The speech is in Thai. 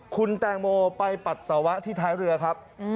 คุณแตงโมไปปัสสาวะที่ท้ายเรือครับ